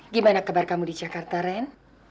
gimana kabar kamu di jakarta ren